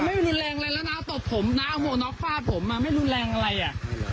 ไม่รุนแรงอะไรแล้วน้าตบผมน้าโหน็อคภาพผมอ่ะไม่รุนแรงอะไรอ่ะ